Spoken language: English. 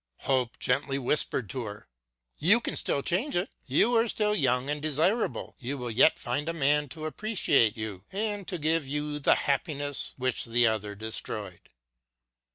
Hope gently whispered to her :" You can still change it ! you are still LOOKING BACKWARD 193 young and desirable ! you will yet find a man to appreciate you and to give you the happiness which the other destroyed